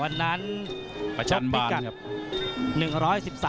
วันนั้นโฟครี่กัท